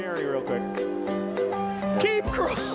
เจสเร็วเร็ว